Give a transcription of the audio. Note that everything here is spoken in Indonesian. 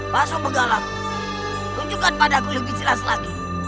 mastu megalang tunjukkan padaku lebih jelas lagi